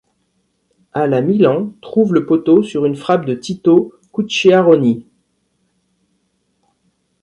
À la Milan trouve le poteau sur une frappe de Tito Cucchiaroni.